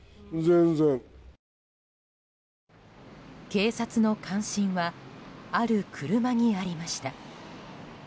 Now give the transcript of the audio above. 警察の関心はある車にありました。